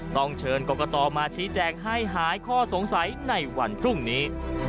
ต้องเชิญกรกตมาชี้แจงให้หายข้อสงสัยในวันพรุ่งนี้